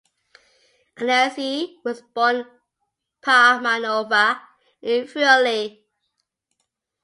Aniasi was born in Palmanova, in Friuli.